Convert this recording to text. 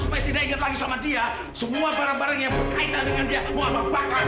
berkaitan dengan dia semua barang barang yang berkaitan dengan dia